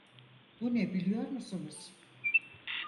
Bu ne biliyor musunuz?